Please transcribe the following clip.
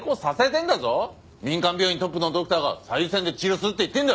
民間病院トップのドクターが最優先で治療するって言ってんだ。